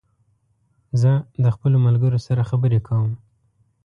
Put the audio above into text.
زه د خپلو ملګرو سره خبري کوم